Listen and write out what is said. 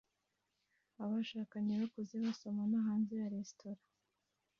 Abashakanye bakuze basomana hanze ya resitora